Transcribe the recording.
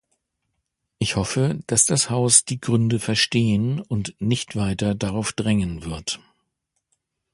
Ich hoffe, dass das Haus die Gründe verstehen und nicht weiter darauf drängen wird.